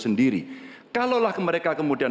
sendiri kalaulah mereka kemudian